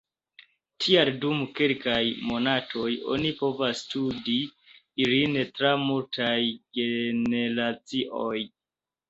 Tial dum kelkaj monatoj oni povas studi ilin tra multaj generacioj.